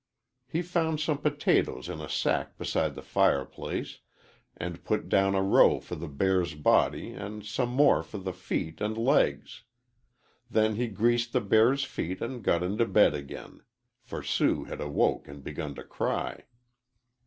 He found some potatoes in a sack beside the fireplace, and put down a row for the bear's body and some more for the feet and legs. Then he greased the bear's feet and got into bed again, for Sue had awoke and begun to cry.